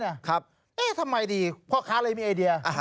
เอ๊ะทำไมดีเพราะขาเลยมีไอเดีย